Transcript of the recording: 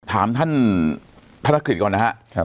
ถามท่านพระนักศึกษ์ก่อนนะครับ